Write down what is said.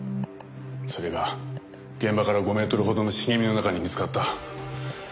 それが現場から５メートルほどの茂みの中で見つかった。